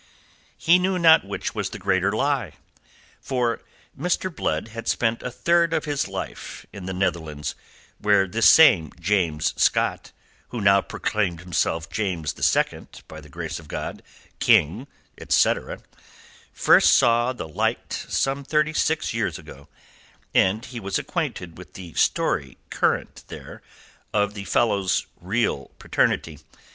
He knew not which was the greater lie. For Mr. Blood had spent a third of his life in the Netherlands, where this same James Scott who now proclaimed himself James the Second, by the grace of God, King, et cetera first saw the light some six and thirty years ago, and he was acquainted with the story current there of the fellow's real paternity.